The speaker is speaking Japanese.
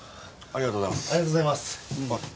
ありがとうございます。